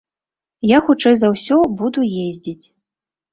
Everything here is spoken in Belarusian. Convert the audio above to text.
Я хутчэй за ўсё буду ездзіць.